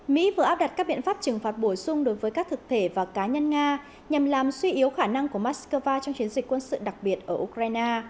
mỹ vừa áp đặt các biện pháp trừng phạt bổ sung đối với các thực thể và cá nhân nga nhằm làm suy yếu khả năng của moscow trong chiến dịch quân sự đặc biệt ở ukraine